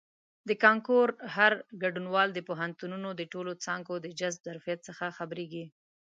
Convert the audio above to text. د کانکور هر ګډونوال د پوهنتونونو د ټولو څانګو د جذب ظرفیت څخه خبریږي.